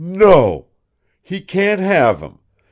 "NO!! He can't have him!